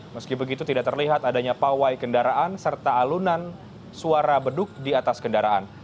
meski begitu tidak terlihat adanya pawai kendaraan serta alunan suara beduk di atas kendaraan